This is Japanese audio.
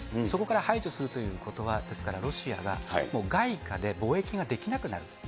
そこから排除するということは、ですから、ロシアが、もう外貨で貿易ができなくなる。